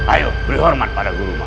ayo berhormat pada guruma